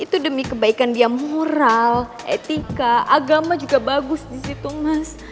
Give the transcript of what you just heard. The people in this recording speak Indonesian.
itu demi kebaikan dia moral etika agama juga bagus di situ mas